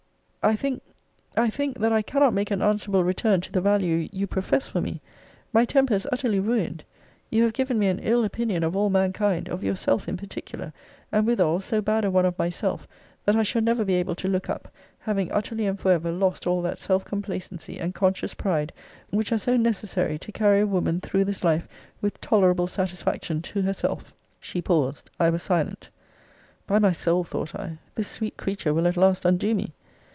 I think, I think, that I cannot make an answerable return to the value you profess for me. My temper is utterly ruined. You have given me an ill opinion of all mankind; of yourself in particular: and withal so bad a one of myself, that I shall never be able to look up, having utterly and for ever lost all that self complacency, and conscious pride, which are so necessary to carry a woman through this life with tolerable satisfaction to herself. She paused. I was silent. By my soul, thought I, this sweet creature will at last undo me!